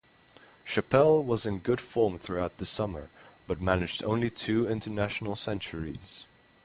Chappell was in good form throughout the summer, but managed only two international centuries.